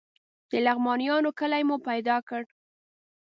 د لغمانیانو کلی مو پیدا کړ.